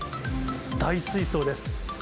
大水槽です。